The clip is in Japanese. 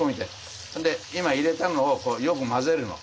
今入れたのをよく混ぜるの。